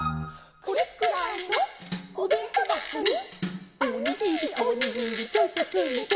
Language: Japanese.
「これくらいのおべんとばこに」「おにぎりおにぎりちょいとつめて」